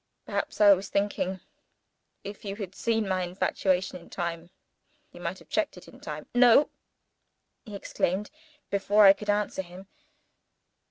"Perhaps I was thinking, if you had seen my infatuation in time you might have checked it in time. No!" he exclaimed, before I could answer him.